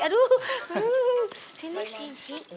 aduh sini sini